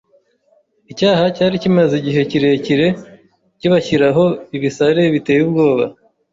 Icyaha cyari kimaze igihe kirekire kibashyiraho ibisare biteye ubwoba